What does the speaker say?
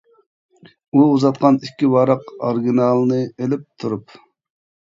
ئۇ ئۇزاتقان ئىككى ۋاراق ئارگىنالنى ئېلىپ تۇرۇپ.